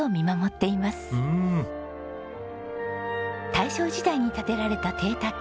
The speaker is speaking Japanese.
大正時代に建てられた邸宅